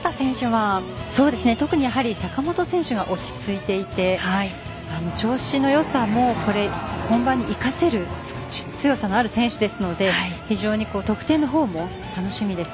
特に坂本選手が落ち着いていて調子のよさも本番に生かせる強さのある選手ですので非常に得点の方も楽しみです。